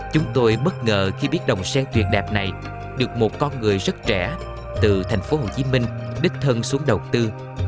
chúng tôi bất ngờ khi biết đồng sen tuyệt đẹp này được một con người rất trẻ từ thành phố hồ chí minh đích thân xuống đầu tư